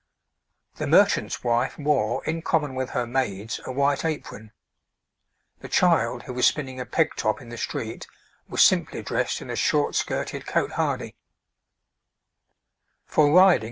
The merchant's wife wore, in common with her maids, a white apron. The child who was spinning a peg top in the street was simply dressed in a short skirted cotehardie.